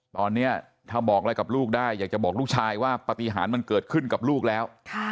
ตอนนี้ถ้าบอกอะไรกับลูกได้อยากจะบอกลูกชายว่าปฏิหารมันเกิดขึ้นกับลูกแล้ว